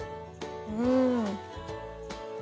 うん。